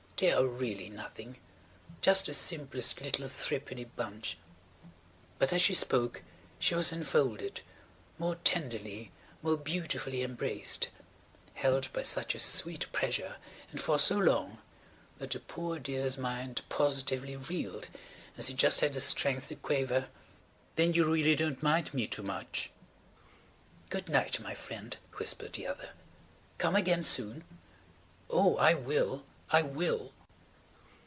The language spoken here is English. "They are really nothing. Just the simplest little thrippenny bunch." But as she spoke she was enfolded–more tenderly, more beautifully embraced, held by such a sweet pressure and for so long that the poor dear's mind positively reeled and she just had the strength to quaver: "Then you really don't mind me too much?" "Good night, my friend," whispered the other. "Come again soon." "Oh, I will. I will."